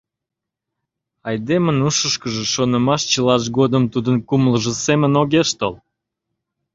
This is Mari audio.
Айдемын ушышкыжо шонымаш чылаж годым тудын кумылжо семын огеш тол.